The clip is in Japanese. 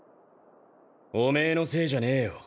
お前のせいじゃねえよ。